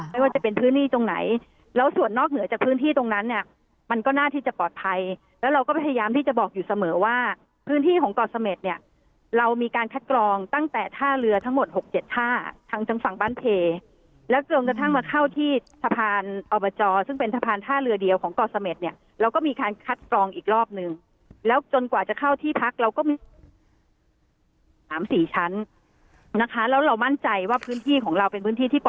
ไม่ว่าจะเป็นพื้นที่ตรงไหนแล้วส่วนนอกเหนือจากพื้นที่ตรงนั้นเนี่ยมันก็น่าที่จะปลอดภัยแล้วเราก็พยายามที่จะบอกอยู่เสมอว่าพื้นที่ของกรสเม็ดเนี่ยเรามีการคัดกรองตั้งแต่ท่าเรือทั้งหมด๖๗ท่าทางทางฝั่งบ้านเผยแล้วจนกระทั่งมาเข้าที่ทะพานอบจซึ่งเป็นทะพานท่าเรือเดียวของกรสเม็ดเนี่ยเราก็ม